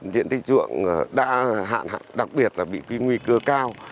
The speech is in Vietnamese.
điện tích trượng đã hạn hạn đặc biệt là bị nguy cơ cao